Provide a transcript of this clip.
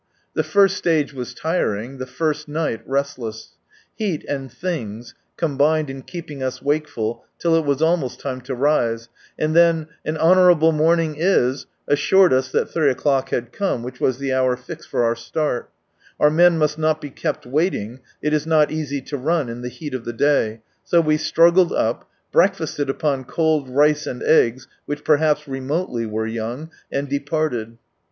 The first stage was tiring, the first night restless. Heat and " things " combined in keeping us wakeful till it was almost titne to rise, and then an " Honourable morning is !" assured us that >ss J apan by K uru ma three o'clock had come, which was the hour fixed for our start. Our men must not be kept waiting, (it is not easy to run in the heat of the day,) so we struggled up, breakfasted upon cold rice and eggs which perhaps remotely were young, and departed.